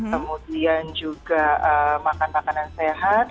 kemudian juga makan makanan sehat